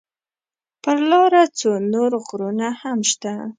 پر لاره څو نور غرونه هم شته.